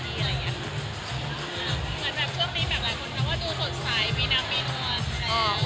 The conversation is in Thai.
เวลาครั้งนี้แบบอะไรวนขึ้นแล้วดูสดใสมีนางมีนวน